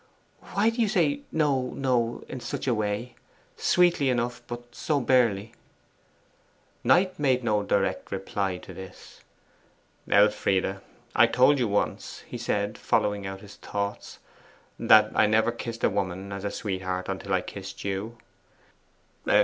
'Why do you say "No, no," in such a way? Sweetly enough, but so barely?' Knight made no direct reply to this. 'Elfride, I told you once,' he said, following out his thoughts, 'that I never kissed a woman as a sweetheart until I kissed you.